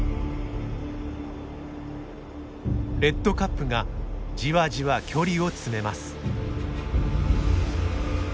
レッドカップがじわじわ距離を詰めます。